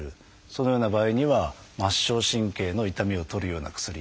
そのような場合には末梢神経の痛みを取るような薬。